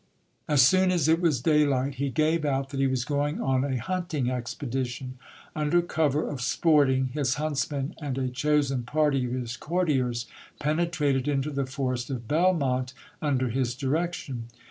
As soon as it was daylight he gave out that he was going on a hunting expe dition. Under cover of sporting, his huntsmen and a chosen party of his courtiers penetrated into the forest of Belmonte under his direction.